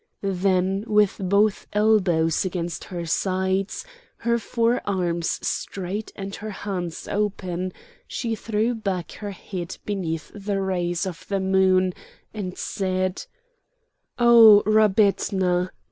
Then with both elbows against her sides, her fore arms straight and her hands open, she threw back her head beneath the rays of the moon, and said: "O Rabetna!